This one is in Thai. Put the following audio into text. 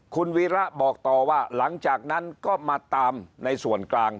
คุณวีระบอกต่อว่าหลังจากนั้นก็มาตามในส่วนกลาง